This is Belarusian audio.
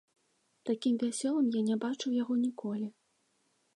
Такім вясёлым я не бачыў яго ніколі.